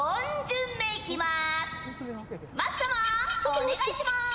お願いします。